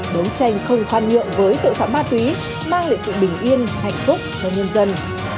đấu tranh không khoan nhượng với tội phạm ma túy mang lại sự bình yên hạnh phúc cho nhân dân